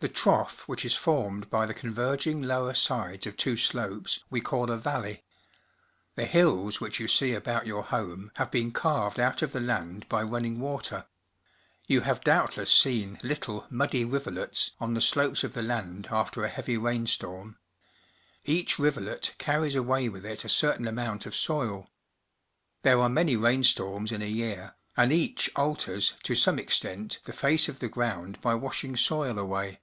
The trough which is formed by the converging lower sides of two slopes we call a valley. The hills which j'ou see about your home have been carved out of the land by running water. You have doubtless seen little, muddy rivulets on the slopes of the land The Geikie Range, Jasper Park, Alberta after a heavy rainstorm. Each rivulet car ries away with it a certain amount of soil. There are many rainstorms in a year, and each alters, to some extent, the face of the ground by washing soil away.